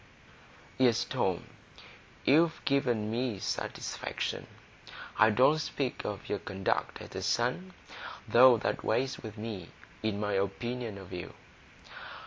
"Yes, Tom, you've given me satisfaction. I don't speak of your conduct as a son; though that weighs with me in my opinion of you.